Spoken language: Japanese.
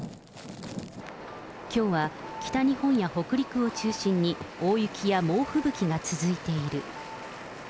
きょうは北日本や北陸を中心に、大雪や猛吹雪が続いている。